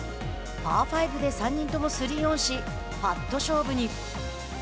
パー５で３人ともスリーオンしパット勝負に。